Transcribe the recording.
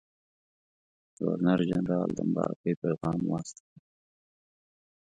ګورنرجنرال د مبارکۍ پیغام واستاوه.